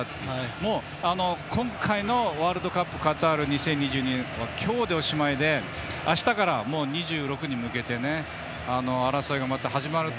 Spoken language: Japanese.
もう、今回のワールドカップカタール２０２２は今日でおしまいであしたから２６に向けて争いがまた始まると。